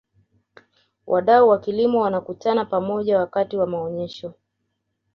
wadau wa kilimo wanakutana pamoja wakati wa maonyesho